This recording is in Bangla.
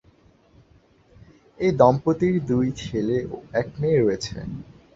এই দম্পতির দুই ছেলে ও এক মেয়ে রয়েছে।